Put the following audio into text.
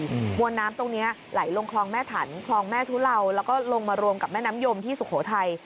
มวลน้ำตรงเนี้ยไหลลงคลองแม่ถันคลองแม่ทุเลาแล้วก็ลงมารวมกับแม่น้ำยมที่สุโขทัย